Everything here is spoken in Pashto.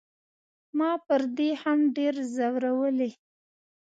ما پر دې هم ډېر زورولی.